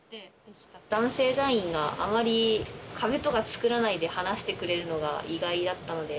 男性隊員があまり壁とか作らないで話してくれるのが意外だったので。